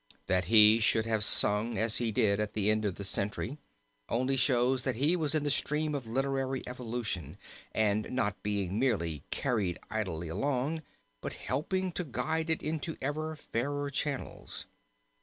That he should have sung as he did at the end of the century only shows that he was in the stream of literary evolution and not being merely carried idly along, but helping to guide it into ever fairer channels.